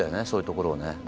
そういうところをね。